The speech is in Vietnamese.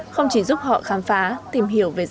không chỉ giúp họ khám phá tìm hiểu về dân tộc